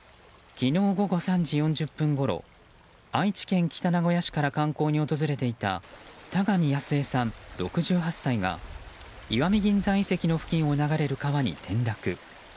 昨日午後３時４０分ごろ愛知県北名古屋市から観光に訪れていた田上やすえさん、６８歳が石見銀山遺跡の付近を流れる川に転落。